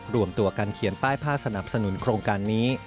รวมตัวกันเขียนป้ายผ้าสนับสนุนโครงการนี้